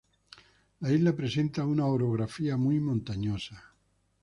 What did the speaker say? La isla presenta una orografía muy montañosa.